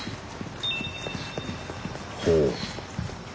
ほう。